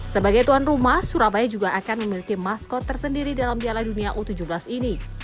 sebagai tuan rumah surabaya juga akan memiliki maskot tersendiri dalam piala dunia u tujuh belas ini